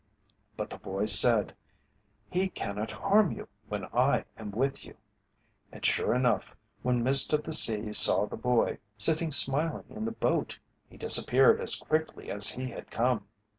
But the boy said, "He cannot harm you when I am with you." And sure enough, when Mist of the Sea saw the boy sitting smiling in the boat he disappeared as quickly as he had come.